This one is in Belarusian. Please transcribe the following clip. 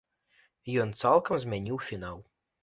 Ён цалкам змяніў фінал.